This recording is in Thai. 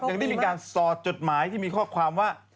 ยังได้มีการสอดจดหมายที่มีข้อความว่า